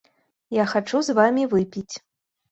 Я хачу з вамі выпіць.